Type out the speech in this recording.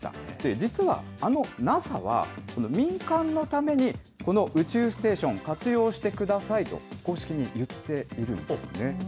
実はあのＮＡＳＡは、民間のためにこの宇宙ステーション、活用してくださいと、公式に言っているんですね。